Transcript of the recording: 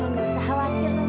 nggak usah khawatir lo cantik non